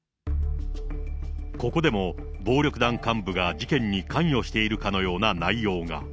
ここでも、暴力団幹部が事件に関与しているかのような内容が。